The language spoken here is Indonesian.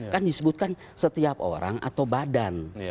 kan disebutkan setiap orang atau badan